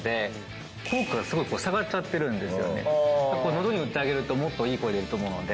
喉に打ってあげるともっといい声出ると思うので。